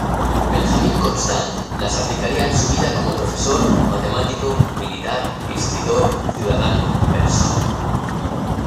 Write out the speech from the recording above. Benjamín Constant las aplicaría en su vida como profesor, matemático, militar, escritor, ciudadano, persona.